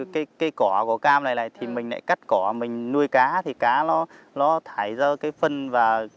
và cái cỏ của cam này thì mình lại cắt cỏ mình nuôi cá thì cá nó thải ra cái phân và